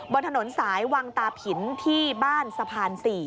บนถนนสายวังตาผินที่บ้านสะพาน๔